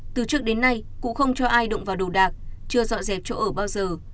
từ trước đến nay cụ không cho ai động vào đồ đạc chưa dọn dẹp chỗ ở bao giờ